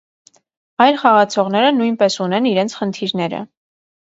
Այլ խաղացողները նույնպես ունեն իրենց խնդիրները։